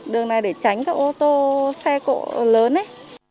đường này để tránh các ô tô xe cộ lớn ấy